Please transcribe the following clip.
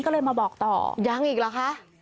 ก็เลยมาบอกต่อยังอีกเหรอคะ